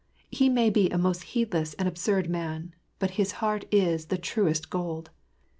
He may be a most heedless and absurd man, but his heart is the truest gold."